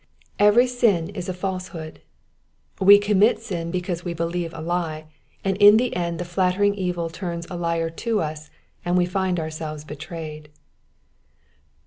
Every sin is a falsehood ; we commit sin because we believe a lie, and in the end the flattering evil turns a liar to us and we find ourselves betrayed.